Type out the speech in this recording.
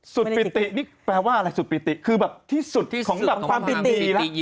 ปิตินี่แปลว่าอะไรสุดปิติคือแบบที่สุดของแบบความปิติแล้ว